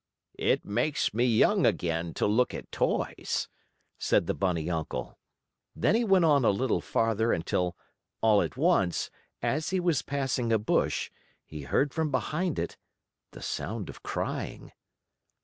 "It makes me young again to look at toys," said the bunny uncle. Then he went on a little farther until, all at once, as he was passing a bush, he heard from behind it the sound of crying.